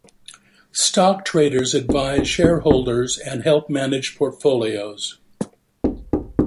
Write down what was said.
Stock traders advise shareholders and help manage portfolios.